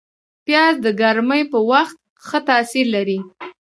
پیاز د ګرمۍ په وخت ښه تاثیر لري